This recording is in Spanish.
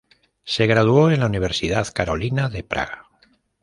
Se graduó en la Universidad Carolina de Praga.